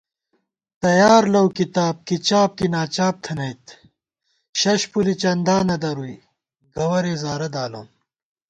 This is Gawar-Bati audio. تیار لَؤ کِتاب، کی چاپ کی ناچاپ تھنَئیت ششپُلی چندا نَدَرُوئی گَوَرےزارہ دالون